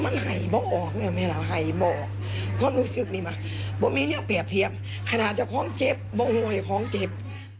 เพราะรู้สึกมีเพื่อแขกเทียบขนาดความเจ็บไม่ได้ไห่ค่งเก็บ